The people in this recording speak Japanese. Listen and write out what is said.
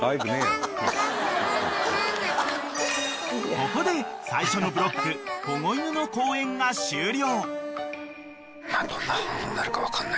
［ここで最初のブロック保護犬の講演が終了］